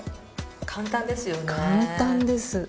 簡単ですよね。